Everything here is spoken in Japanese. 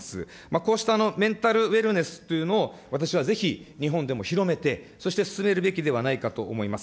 こうしたメンタルウェルネスというのを、私はぜひ、日本でも広めて、そして進めるべきではないかと思います。